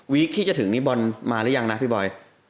คที่จะถึงนี่บอลมาหรือยังนะพี่บอย